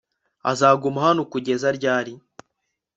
uzaguma hano kugeza ryari